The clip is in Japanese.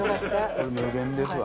これ無限ですわ。